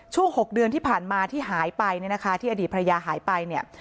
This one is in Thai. ๖เดือนที่ผ่านมาที่หายไปเนี่ยนะคะที่อดีตภรรยาหายไปเนี่ย